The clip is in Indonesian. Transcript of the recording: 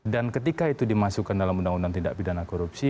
dan ketika itu dimasukkan dalam undang undang tindak pidana korupsi